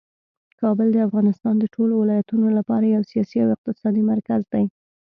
کابل د افغانستان د ټولو ولایتونو لپاره یو سیاسي او اقتصادي مرکز دی.